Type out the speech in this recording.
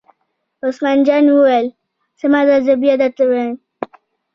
عثمان جان وویل: سمه ده زه بیا درته وایم.